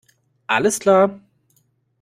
Alles klar!